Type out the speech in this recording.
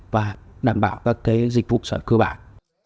và đảm bảo các dịch vụ xã hội cơ bản